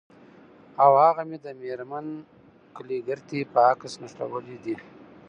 او هغه مې د میرمن کلیګرتي په عکس نښلولي دي